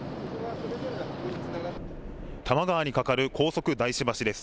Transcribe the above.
多摩川に架かる高速大師橋です。